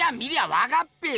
わかっぺよ！